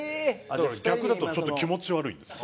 だから逆だとちょっと気持ち悪いんですよ。